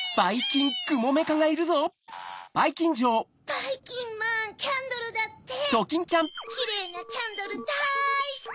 ・ばいきんまんキャンドルだって・キレイなキャンドルだいスキ！